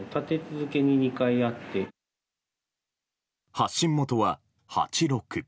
発信元は８６。